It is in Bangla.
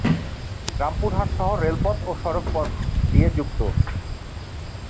রামপুরহাট শহর রেলপথ ও সড়ক পথ দিয়ে যুক্ত।